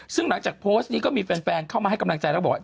ซึ่งหลังจากโพสต์นี้ก็มีแฟนเข้ามาให้กำลังใจแล้วบอกว่า